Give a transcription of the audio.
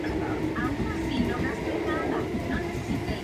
Esta localidad creció a la vera de la estación del Ferrocarril Sud.